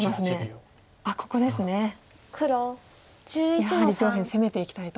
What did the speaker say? やはり上辺攻めていきたいと。